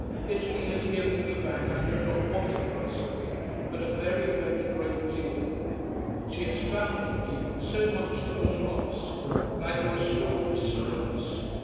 Italy has given me back I know not what of myself, but a very, very great deal. She has found for me so much that was lost: like a restored Osiris.